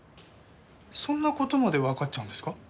そんな事までわかっちゃうんですか？